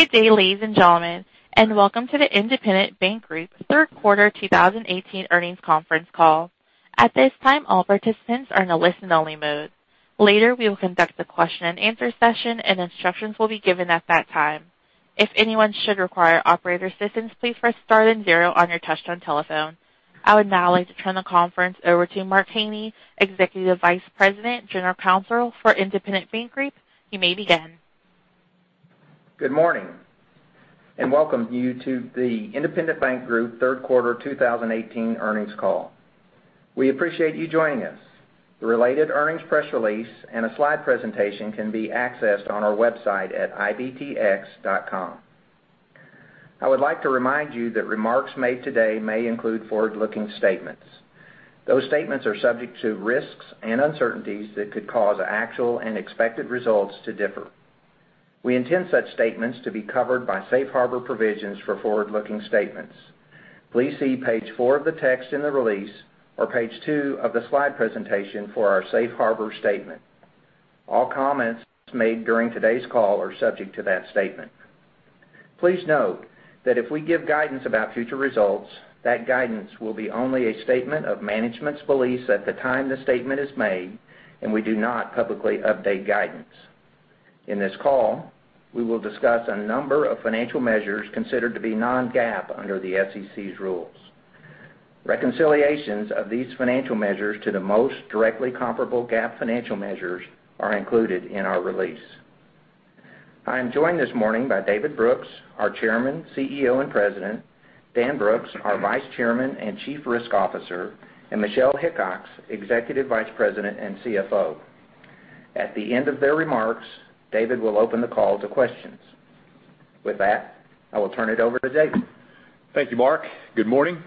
Good day, ladies and gentlemen, welcome to the Independent Bank Group Third Quarter 2018 Earnings Conference Call. At this time, all participants are in a listen only mode. Later, we will conduct a question and answer session and instructions will be given at that time. If anyone should require operator assistance, please press star and zero on your touch-tone telephone. I would now like to turn the conference over to Mark Haynie, Executive Vice President, General Counsel for Independent Bank Group. You may begin. Good morning, welcome you to the Independent Bank Group Third Quarter 2018 earnings call. We appreciate you joining us. The related earnings press release and a slide presentation can be accessed on our website at ibtx.com. I would like to remind you that remarks made today may include forward-looking statements. Those statements are subject to risks and uncertainties that could cause actual and expected results to differ. We intend such statements to be covered by safe harbor provisions for forward-looking statements. Please see page four of the text in the release or page two of the slide presentation for our safe harbor statement. All comments made during today's call are subject to that statement. Please note that if we give guidance about future results, that guidance will be only a statement of management's beliefs at the time the statement is made, and we do not publicly update guidance. In this call, we will discuss a number of financial measures considered to be non-GAAP under the SEC's rules. Reconciliations of these financial measures to the most directly comparable GAAP financial measures are included in our release. I am joined this morning by David Brooks, our Chairman, CEO, and President, Dan Brooks, our Vice Chairman and Chief Risk Officer, and Michelle Hickox, Executive Vice President and CFO. At the end of their remarks, David will open the call to questions. With that, I will turn it over to David. Thank you, Mark. Good morning.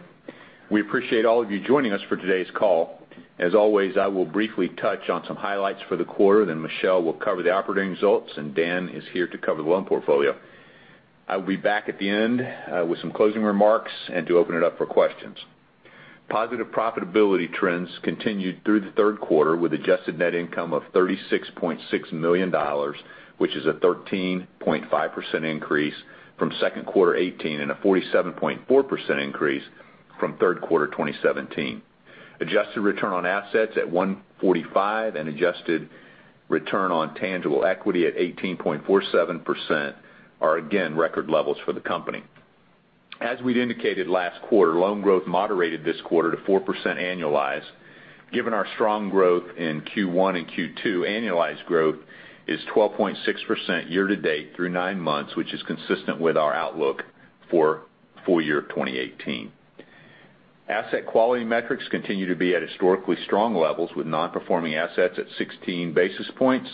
We appreciate all of you joining us for today's call. As always, I will briefly touch on some highlights for the quarter, Michelle will cover the operating results, Dan is here to cover the loan portfolio. I will be back at the end with some closing remarks to open it up for questions. Positive profitability trends continued through the third quarter with adjusted net income of $36.6 million, which is a 13.5% increase from second quarter 2018 and a 47.4% increase from third quarter 2017. Adjusted return on assets at 1.45% and adjusted return on tangible equity at 18.47% are again, record levels for the company. As we'd indicated last quarter, loan growth moderated this quarter to 4% annualized. Given our strong growth in Q1 and Q2, annualized growth is 12.6% year-to-date through nine months, which is consistent with our outlook for full year 2018. Asset quality metrics continue to be at historically strong levels with non-performing assets at 16 basis points,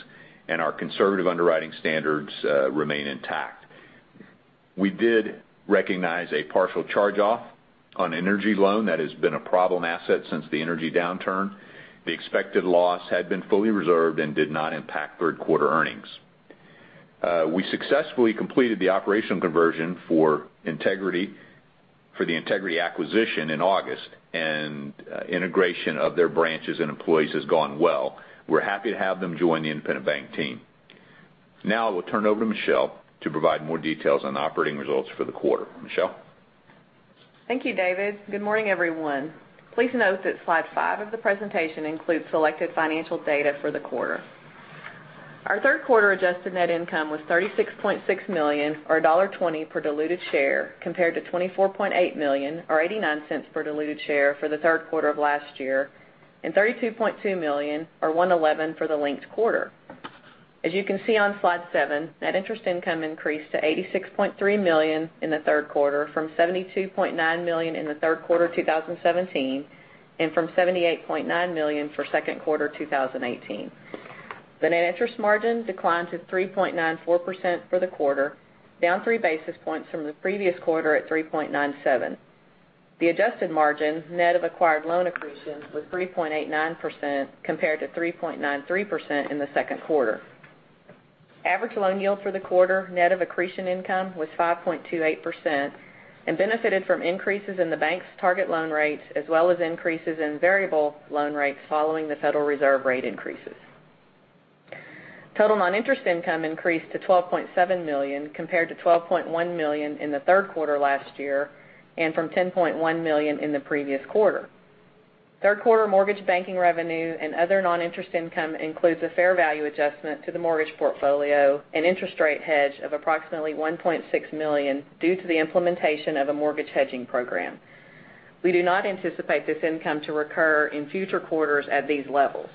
and our conservative underwriting standards remain intact. We did recognize a partial charge-off on energy loan that has been a problem asset since the energy downturn. The expected loss had been fully reserved and did not impact third-quarter earnings. We successfully completed the operational conversion for the Integrity acquisition in August, and integration of their branches and employees has gone well. We are happy to have them join the Independent Bank team. I will turn it over to Michelle to provide more details on the operating results for the quarter. Michelle? Thank you, David. Good morning, everyone. Please note that slide 5 of the presentation includes selected financial data for the quarter. Our third quarter adjusted net income was $36.6 million or $1.20 per diluted share compared to $24.8 million or $0.89 per diluted share for the third quarter of last year and $32.2 million or $1.11 for the linked quarter. As you can see on slide 7, net interest income increased to $86.3 million in the third quarter from $72.9 million in the third quarter 2017 and from $78.9 million for second quarter 2018. The net interest margin declined to 3.94% for the quarter, down 3 basis points from the previous quarter at 3.97%. The adjusted margin net of acquired loan accretion was 3.89% compared to 3.93% in the second quarter. Average loan yield for the quarter net of accretion income was 5.28% and benefited from increases in the bank's target loan rates as well as increases in variable loan rates following the Federal Reserve rate increases. Total non-interest income increased to $12.7 million compared to $12.1 million in the third quarter last year and from $10.1 million in the previous quarter. Third quarter mortgage banking revenue and other non-interest income includes a fair value adjustment to the mortgage portfolio and interest rate hedge of approximately $1.6 million due to the implementation of a mortgage hedging program. We do not anticipate this income to recur in future quarters at these levels.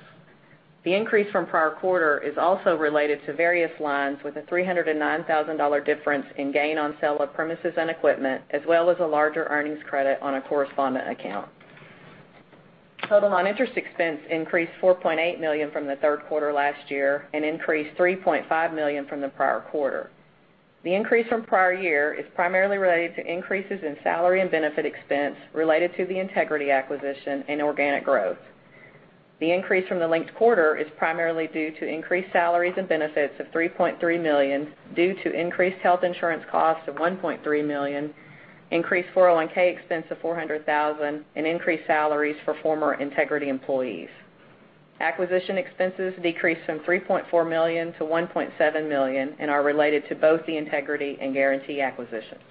The increase from prior quarter is also related to various lines with a $309,000 difference in gain on sale of premises and equipment, as well as a larger earnings credit on a correspondent account. Total non-interest expense increased $4.8 million from the third quarter last year and increased $3.5 million from the prior quarter. The increase from prior year is primarily related to increases in salary and benefit expense related to the Integrity acquisition and organic growth. The increase from the linked quarter is primarily due to increased salaries and benefits of $3.3 million due to increased health insurance costs of $1.3 million, increased 401 expense of $400,000, and increased salaries for former Integrity employees. Acquisition expenses decreased from $3.4 million to $1.7 million and are related to both the Integrity and Guaranty acquisitions.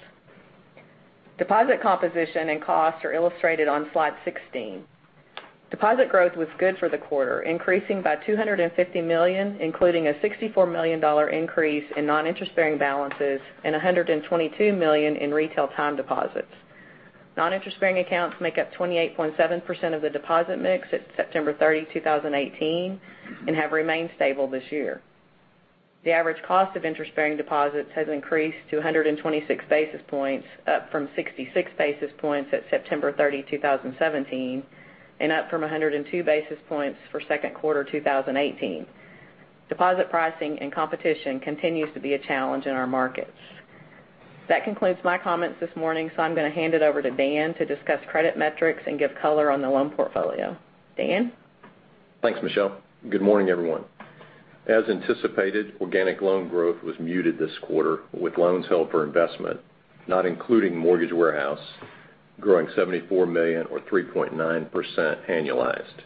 Deposit composition and costs are illustrated on slide 16. Deposit growth was good for the quarter, increasing by $250 million, including a $64 million increase in non-interest-bearing balances and $122 million in retail time deposits. Non-interest-bearing accounts make up 28.7% of the deposit mix at September 30, 2018, and have remained stable this year. The average cost of interest-bearing deposits has increased to 126 basis points, up from 66 basis points at September 30, 2017, and up from 102 basis points for second quarter 2018. Deposit pricing and competition continues to be a challenge in our markets. That concludes my comments this morning. I'm going to hand it over to Dan to discuss credit metrics and give color on the loan portfolio. Dan? Thanks, Michelle. Good morning, everyone. As anticipated, organic loan growth was muted this quarter, with loans held for investment, not including Mortgage Warehouse, growing $74 million or 3.9% annualized.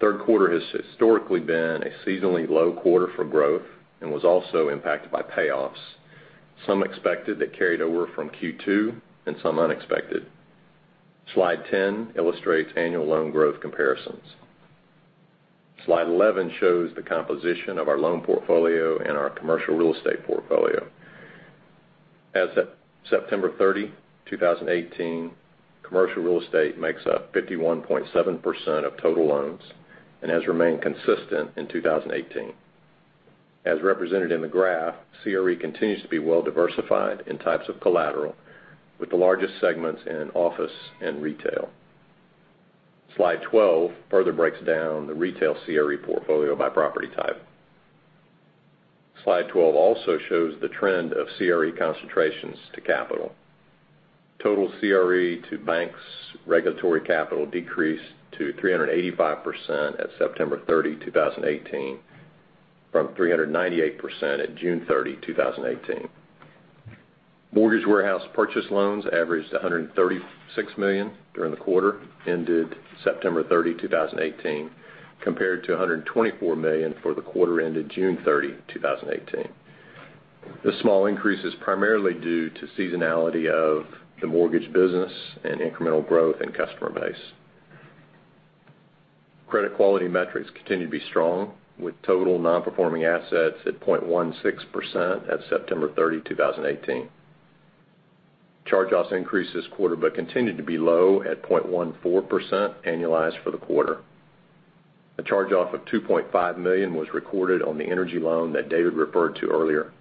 Third quarter has historically been a seasonally low quarter for growth and was also impacted by payoffs, some expected that carried over from Q2 and some unexpected. Slide 10 illustrates annual loan growth comparisons. Slide 11 shows the composition of our loan portfolio and our commercial real estate portfolio. As of September 30, 2018, commercial real estate makes up 51.7% of total loans and has remained consistent in 2018. As represented in the graph, CRE continues to be well diversified in types of collateral with the largest segments in office and retail. Slide 12 further breaks down the retail CRE portfolio by property type. Slide 12 also shows the trend of CRE concentrations to capital. Total CRE to bank's regulatory capital decreased to 385% at September 30, 2018, from 398% at June 30, 2018. Mortgage Warehouse purchase loans averaged $136 million during the quarter ended September 30, 2018, compared to $124 million for the quarter ended June 30, 2018. The small increase is primarily due to seasonality of the mortgage business and incremental growth in customer base. Credit quality metrics continue to be strong with total non-performing assets at 0.16% at September 30, 2018. Charge-offs increased this quarter but continued to be low at 0.14% annualized for the quarter. A charge-off of $2.5 million was recorded on the energy loan that David referred to earlier.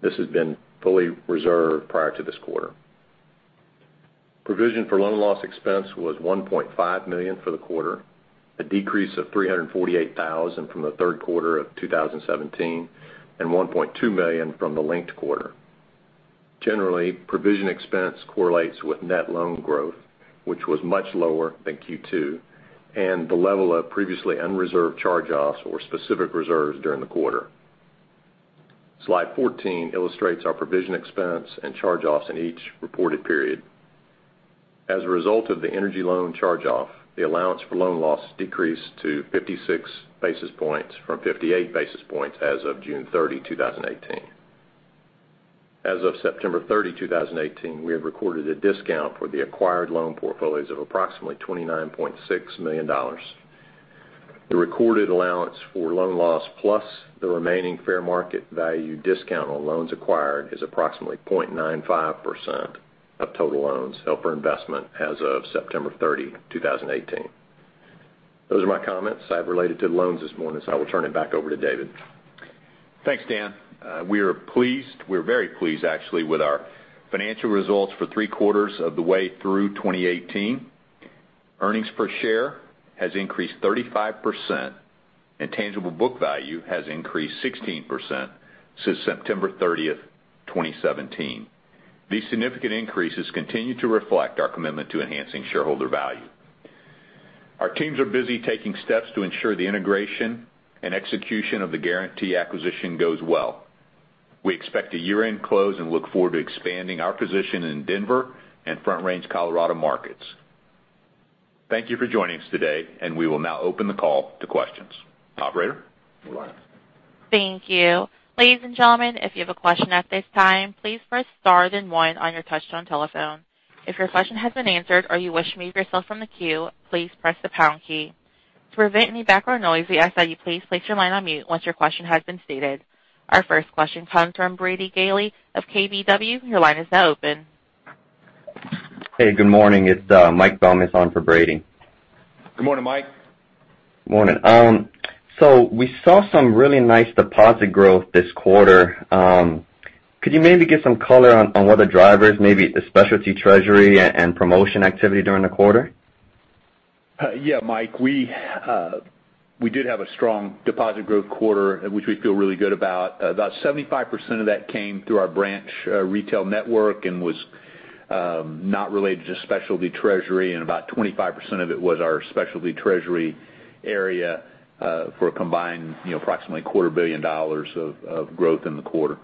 This has been fully reserved prior to this quarter. Provision for loan loss expense was $1.5 million for the quarter, a decrease of $348,000 from the third quarter of 2017, and $1.2 million from the linked quarter. Generally, provision expense correlates with net loan growth, which was much lower than Q2, and the level of previously unreserved charge-offs or specific reserves during the quarter. Slide 14 illustrates our provision expense and charge-offs in each reported period. As a result of the energy loan charge-off, the allowance for loan loss decreased to 56 basis points from 58 basis points as of June 30, 2018. As of September 30, 2018, we have recorded a discount for the acquired loan portfolios of approximately $29.6 million. The recorded allowance for loan loss plus the remaining fair market value discount on loans acquired is approximately 0.95% of total loans held for investment as of September 30, 2018. Those are my comments related to loans this morning. I will turn it back over to David. Thanks, Dan. We are very pleased, actually, with our financial results for three quarters of the way through 2018. Earnings per share has increased 35%, and tangible book value has increased 16% since September 30th, 2017. These significant increases continue to reflect our commitment to enhancing shareholder value. Our teams are busy taking steps to ensure the integration and execution of the Guaranty acquisition goes well. We expect a year-end close and look forward to expanding our position in Denver and Front Range Colorado markets. Thank you for joining us today, and we will now open the call to questions. Operator? Thank you. Ladies and gentlemen, if you have a question at this time, please press star then one on your touchtone telephone. If your question has been answered or you wish to remove yourself from the queue, please press the pound key. To prevent any background noise, we ask that you please place your line on mute once your question has been stated. Our first question comes from Brady Gailey of KBW. Your line is now open. Hey, good morning. It's Mike Baum is on for Brady. Good morning, Mike. Morning. We saw some really nice deposit growth this quarter. Could you maybe give some color on what the drivers, maybe the specialty treasury and promotion activity during the quarter? Yeah, Mike. We did have a strong deposit growth quarter, which we feel really good about. About 75% of that came through our branch retail network and was not related to specialty treasury, and about 25% of it was our specialty treasury area for a combined approximately a quarter billion dollars of growth in the quarter.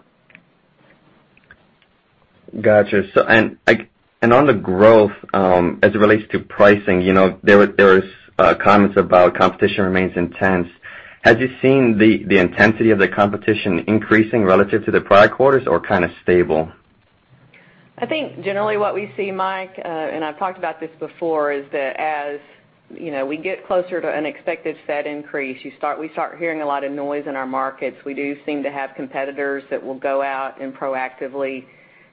Got you. On the growth, as it relates to pricing, there was comments about competition remains intense. Have you seen the intensity of the competition increasing relative to the prior quarters or kind of stable? I think generally what we see, Mike, and I've talked about this before, is that as we get closer to an expected Fed increase, we start hearing a lot of noise in our markets. We do seem to have competitors that will go out and proactively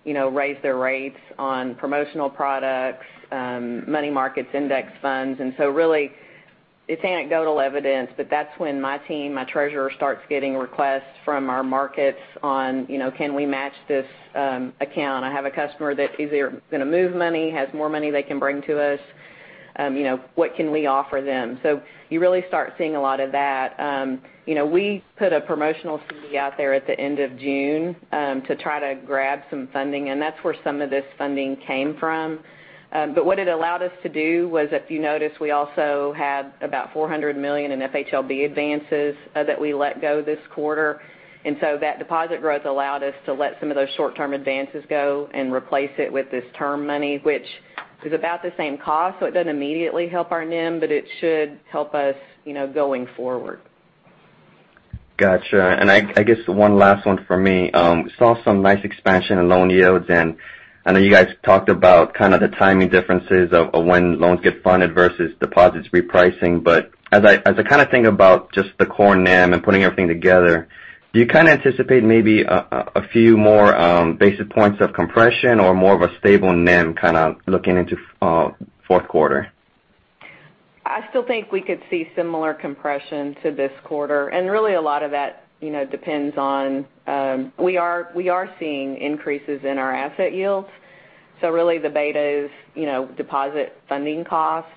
raise their rates on promotional products, money markets, index funds. Really, it's anecdotal evidence, but that's when my team, my treasurer, starts getting requests from our markets on, can we match this account? I have a customer that either going to move money, has more money they can bring to us. What can we offer them? You really start seeing a lot of that. We put a promotional CD out there at the end of June to try to grab some funding, and that's where some of this funding came from. What it allowed us to do was, if you notice, we also had about $400 million in FHLB advances that we let go this quarter. That deposit growth allowed us to let some of those short-term advances go and replace it with this term money, which is about the same cost. It doesn't immediately help our NIM, but it should help us going forward. Got you. I guess one last one for me. Saw some nice expansion in loan yields, and I know you guys talked about kind of the timing differences of when loans get funded versus deposits repricing. As I kind of think about just the core NIM and putting everything together, do you kind of anticipate maybe a few more basis points of compression or more of a stable NIM kind of looking into fourth quarter? I still think we could see similar compression to this quarter. Really a lot of that depends on. We are seeing increases in our asset yields. Really the beta is deposit funding cost.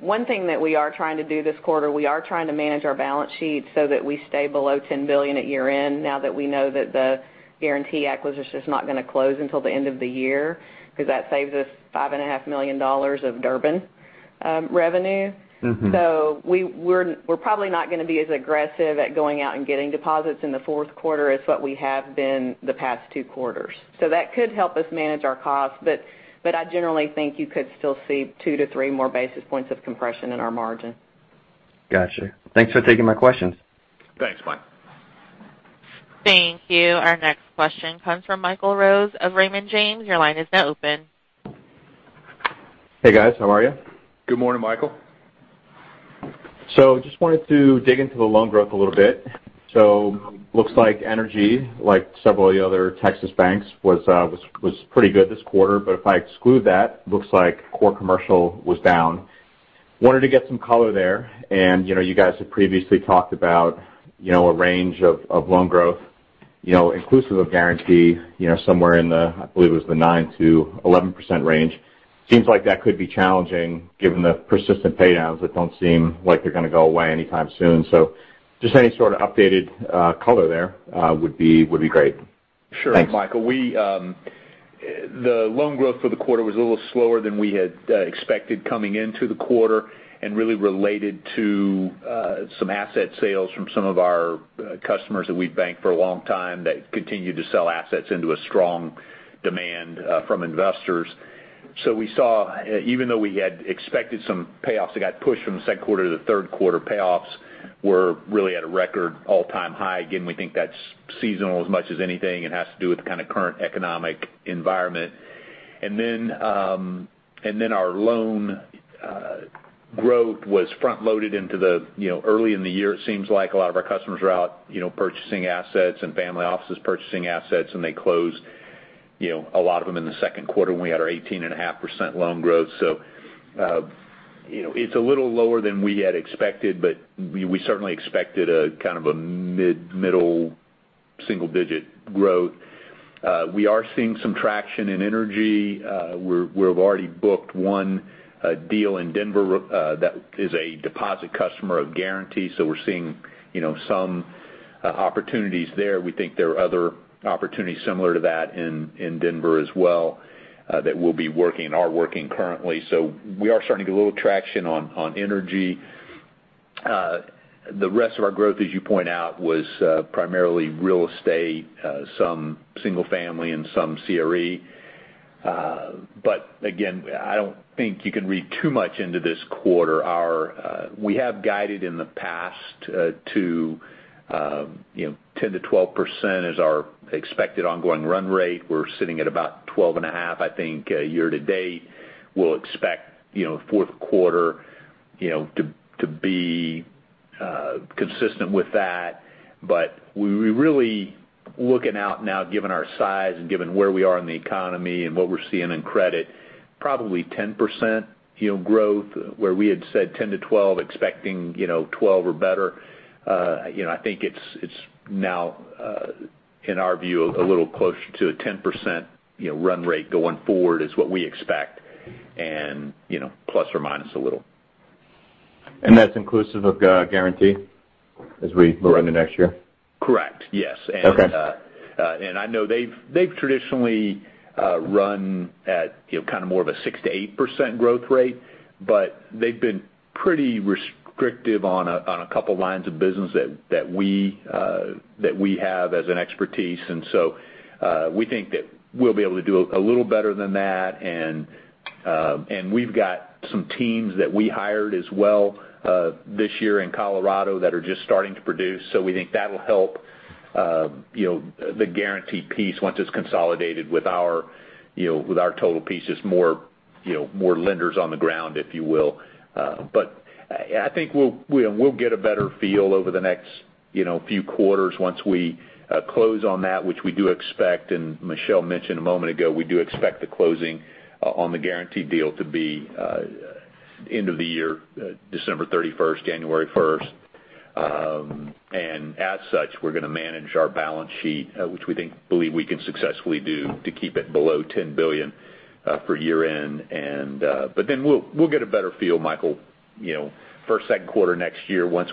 One thing that we are trying to do this quarter, we are trying to manage our balance sheet so that we stay below $10 billion at year-end, now that we know that the Guaranty acquisition is not going to close until the end of the year, because that saves us $5.5 million of Durbin revenue. We're probably not going to be as aggressive at going out and getting deposits in the fourth quarter as what we have been the past two quarters. That could help us manage our costs, but I generally think you could still see two to three more basis points of compression in our margin. Got you. Thanks for taking my questions. Thanks, Mike. Thank you. Our next question comes from Michael Rose of Raymond James. Your line is now open. Hey, guys. How are you? Good morning, Michael. Just wanted to dig into the loan growth a little bit. Looks like energy, like several of the other Texas banks, was pretty good this quarter. If I exclude that, looks like core commercial was down. Wanted to get some color there. You guys have previously talked about a range of loan growth inclusive of Guaranty somewhere in the, I believe it was the 9%-11% range. Seems like that could be challenging given the persistent paydowns that don't seem like they're going to go away anytime soon. Just any sort of updated color there would be great. Sure. Thanks. Michael. The loan growth for the quarter was a little slower than we had expected coming into the quarter and really related to some asset sales from some of our customers that we've banked for a long time that continued to sell assets into a strong demand from investors. We saw, even though we had expected some payoffs that got pushed from the second quarter to the third quarter, payoffs were really at a record all-time high. We think that's seasonal as much as anything, and has to do with the kind of current economic environment. Our loan growth was front-loaded into the early in the year. It seems like a lot of our customers are out purchasing assets and family offices purchasing assets, and they closed a lot of them in the second quarter when we had our 18.5% loan growth. It's a little lower than we had expected, but we certainly expected a kind of a mid middle single-digit growth. We are seeing some traction in energy. We've already booked one deal in Denver that is a deposit customer of Guaranty. We're seeing some opportunities there. We think there are other opportunities similar to that in Denver as well that we'll be working and are working currently. We are starting to get a little traction on energy. The rest of our growth, as you point out, was primarily real estate, some single-family, and some CRE. Again, I don't think you can read too much into this quarter. We have guided in the past to 10%-12% as our expected ongoing run rate. We're sitting at about 12.5%, I think, year-to-date. We'll expect fourth quarter to be consistent with that. We're really looking out now, given our size and given where we are in the economy and what we're seeing in credit, probably 10% growth where we had said 10%-12%, expecting 12% or better. I think it's now, in our view, a little closer to a 10% run rate going forward is what we expect, and ± a little. That's inclusive of Guaranty as we go into next year? Correct. Yes. Okay. I know they've traditionally run at kind of more of a 6%-8% growth rate. They've been pretty restrictive on a couple lines of business that we have as an expertise. We think that we'll be able to do a little better than that. We've got some teams that we hired as well this year in Colorado that are just starting to produce. We think that'll help the Guaranty piece once it's consolidated with our total pieces, more lenders on the ground, if you will. I think we'll get a better feel over the next few quarters once we close on that, which we do expect. Michelle mentioned a moment ago, we do expect the closing on the Guaranty deal to be end of the year, December 31st, January 1st. As such, we're going to manage our balance sheet, which we believe we can successfully do to keep it below $10 billion for year-end. We'll get a better feel, Michael, first, second quarter next year once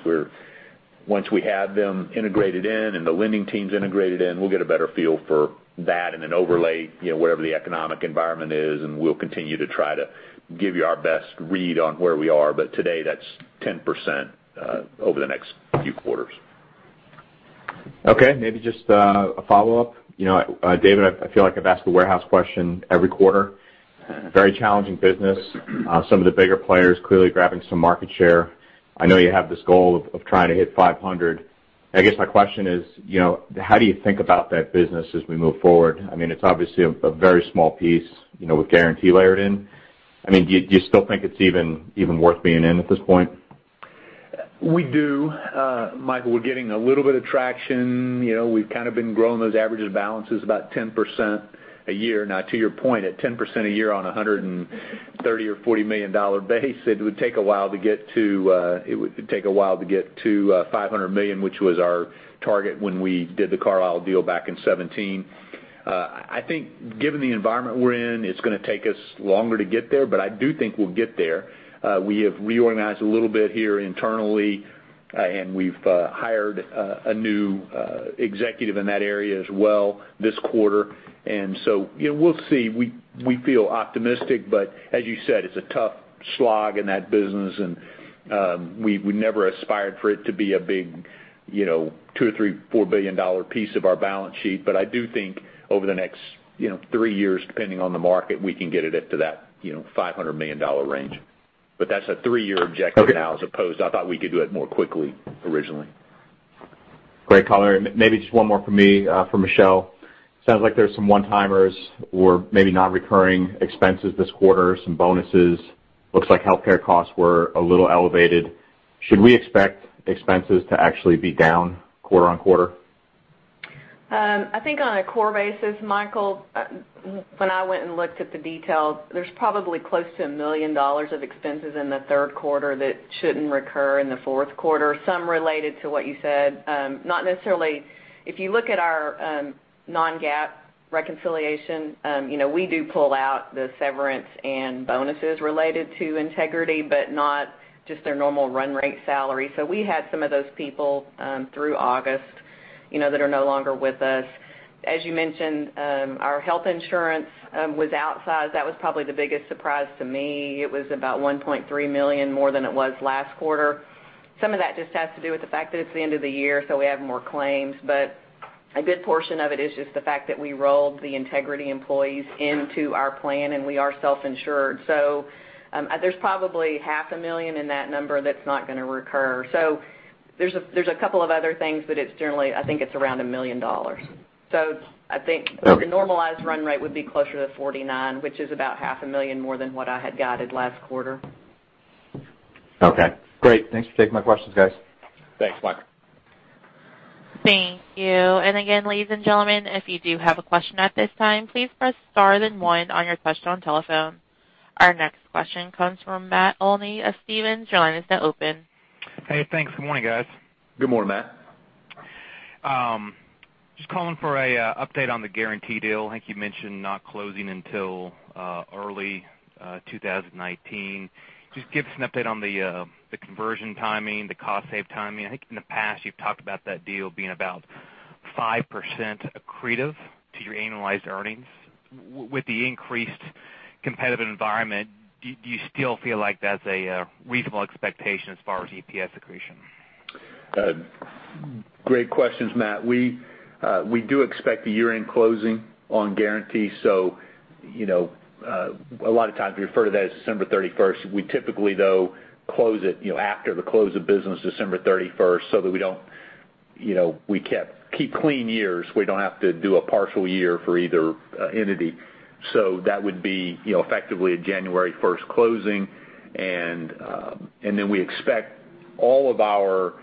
we have them integrated in and the lending teams integrated in. We'll get a better feel for that and then overlay whatever the economic environment is, and we'll continue to try to give you our best read on where we are. Today, that's 10% over the next few quarters. Okay. Maybe just a follow-up. David, I feel like I've asked the Mortgage Warehouse question every quarter. Very challenging business. Some of the bigger players clearly grabbing some market share. I know you have this goal of trying to hit 500. I guess my question is, how do you think about that business as we move forward? It's obviously a very small piece with Guaranty layered in. Do you still think it's even worth being in at this point? We do, Michael. We're getting a little bit of traction. We've kind of been growing those averages balances about 10% a year. Now, to your point, at 10% a year on $130 million or $140 million base, it would take a while to get to $500 million, which was our target when we did the Carlile deal back in 2017. I think given the environment we're in, it's going to take us longer to get there, but I do think we'll get there. We have reorganized a little bit here internally, and we've hired a new executive in that area as well this quarter. We'll see. We feel optimistic, but as you said, it's a tough slog in that business, and we never aspired for it to be a big $2 billion or $3 billion, $4 billion piece of our balance sheet. I do think over the next three years, depending on the market, we can get it up to that $500 million range. That's a three-year objective now as opposed, I thought we could do it more quickly originally. Great color. Maybe just one more from me for Michelle. Sounds like there's some one-timers or maybe non-recurring expenses this quarter, some bonuses. Looks like healthcare costs were a little elevated. Should we expect expenses to actually be down quarter-on-quarter? I think on a core basis, Michael, when I went and looked at the details, there's probably close to $1 million of expenses in the third quarter that shouldn't recur in the fourth quarter. Some related to what you said. If you look at our non-GAAP reconciliation, we do pull out the severance and bonuses related to Integrity, but not just their normal run rate salary. We had some of those people through August that are no longer with us. As you mentioned, our health insurance was outsized. That was probably the biggest surprise to me. It was about $1.3 million more than it was last quarter. Some of that just has to do with the fact that it's the end of the year, so we have more claims. A good portion of it is just the fact that we rolled the Integrity employees into our plan, and we are self-insured. There's probably half a million in that number that's not going to recur. There's a couple of other things, but it's generally, I think it's around $1 million. I think the normalized run rate would be closer to $49 million, which is about half a million more than what I had guided last quarter. Okay, great. Thanks for taking my questions, guys. Thanks, Michael. Thank you. Again, ladies and gentlemen, if you do have a question at this time, please press star then one on your touchtone telephone. Our next question comes from Matt Olney of Stephens. Your line is now open. Hey, thanks. Good morning, guys. Good morning, Matt. Just calling for an update on the Guaranty deal. I think you mentioned not closing until early 2019. Just give us an update on the conversion timing, the cost save timing. I think in the past you've talked about that deal being about 5% accretive to your annualized earnings. With the increased competitive environment, do you still feel like that's a reasonable expectation as far as EPS accretion? Great questions, Matt. We do expect the year-end closing on Guaranty. A lot of times we refer to that as December 31st. We typically, though, close it after the close of business December 31st so that we keep clean years. We don't have to do a partial year for either entity. That would be effectively a January 1st closing. Then we expect all of our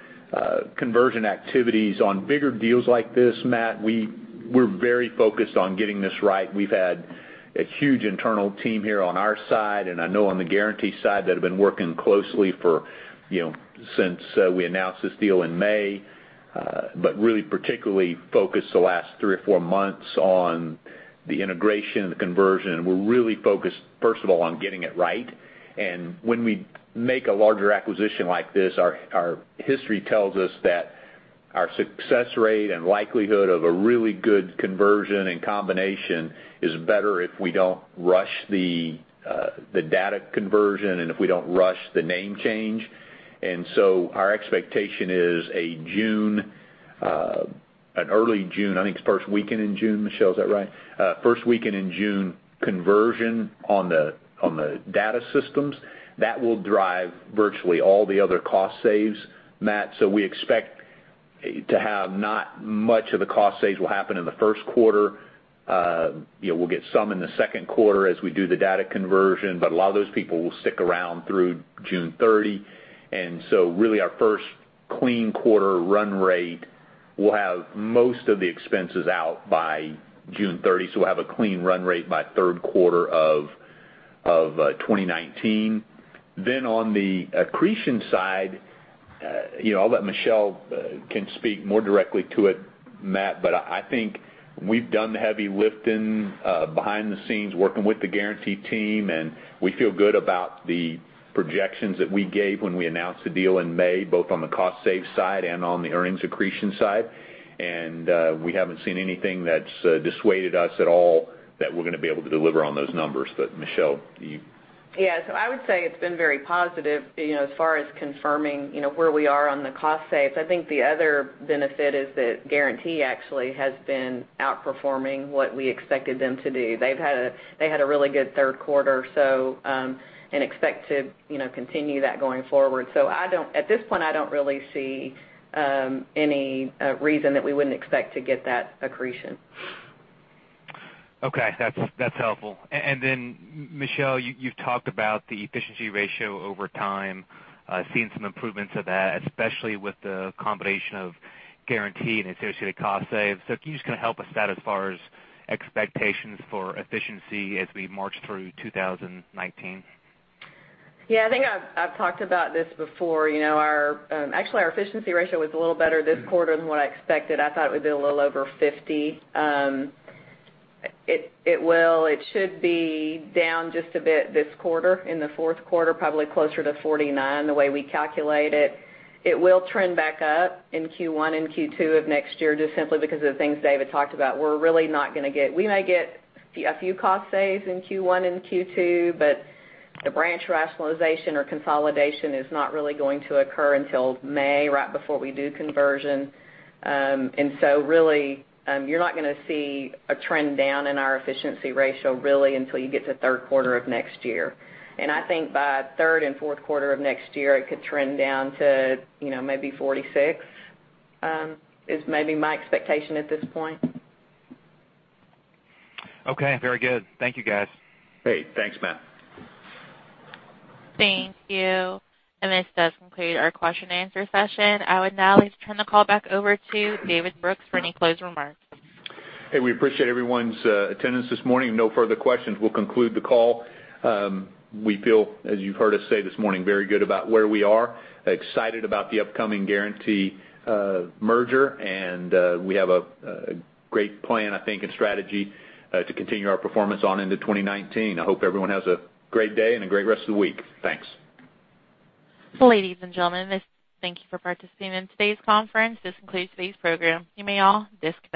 conversion activities on bigger deals like this, Matt, we're very focused on getting this right. We've had a huge internal team here on our side, and I know on the Guaranty side that have been working closely since we announced this deal in May. Really particularly focused the last three or four months on the integration and the conversion. We're really focused, first of all, on getting it right. When we make a larger acquisition like this, our history tells us that Our success rate and likelihood of a really good conversion and combination is better if we don't rush the data conversion and if we don't rush the name change. Our expectation is a June, an early June, I think it's first weekend in June, Michelle, is that right? First weekend in June conversion on the data systems. That will drive virtually all the other cost saves, Matt. We expect to have not much of the cost saves will happen in the first quarter. We'll get some in the second quarter as we do the data conversion, but a lot of those people will stick around through June 30. Really our first clean quarter run rate will have most of the expenses out by June 30. We'll have a clean run rate by third quarter of 2019. Then on the accretion side, I'll let Michelle can speak more directly to it, Matt, but I think we've done the heavy lifting behind the scenes working with the Guaranty team, and we feel good about the projections that we gave when we announced the deal in May, both on the cost save side and on the earnings accretion side. We haven't seen anything that's dissuaded us at all that we're going to be able to deliver on those numbers. Michelle, you- I would say it's been very positive as far as confirming where we are on the cost saves. I think the other benefit is that Guaranty actually has been outperforming what we expected them to do. They've had a really good third quarter, and expect to continue that going forward. At this point, I don't really see any reason that we wouldn't expect to get that accretion. Okay. That's helpful. Michelle, you've talked about the efficiency ratio over time, seeing some improvements of that, especially with the combination of Guaranty and associated cost saves. Can you just kind of help us out as far as expectations for efficiency as we march through 2019? I think I've talked about this before. Actually, our efficiency ratio was a little better this quarter than what I expected. I thought it would be a little over 50. It should be down just a bit this quarter, in the fourth quarter, probably closer to 49, the way we calculate it. It will trend back up in Q1 and Q2 of next year, just simply because of the things David talked about. We might get a few cost saves in Q1 and Q2, but the branch rationalization or consolidation is not really going to occur until May, right before we do conversion. Really, you're not going to see a trend down in our efficiency ratio, really until you get to third quarter of next year. I think by third and fourth quarter of next year, it could trend down to maybe 46, is maybe my expectation at this point. Okay. Very good. Thank you, guys. Great. Thanks, Matt. Thank you. This does conclude our question and answer session. I would now like to turn the call back over to David Brooks for any closing remarks. Hey, we appreciate everyone's attendance this morning. If no further questions, we'll conclude the call. We feel, as you've heard us say this morning, very good about where we are, excited about the upcoming Guaranty merger, and we have a great plan, I think, and strategy to continue our performance on into 2019. I hope everyone has a great day and a great rest of the week. Thanks. Ladies and gentlemen, thank you for participating in today's conference. This concludes today's program. You may all disconnect.